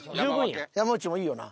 山内もいいよな？